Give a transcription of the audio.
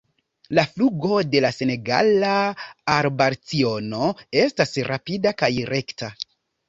La flugo de la Senegala arbalciono estas rapida kaj rekta.